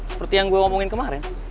seperti yang gue omongin kemarin